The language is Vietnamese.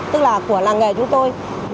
tức là của làng nghề chúng tôi